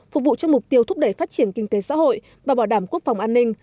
phục vụ cho mục tiêu thúc đẩy phát triển kinh tế xã hội và bảo đảm quốc phòng an ninh